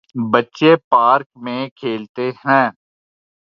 بچے پارک میں کھیلتے ہیں۔